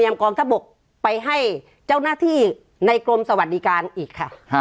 เนียมกรองทรัพย์บกไปให้เจ้าหน้าที่ในกลมสวัสดิการอีกค่ะ๕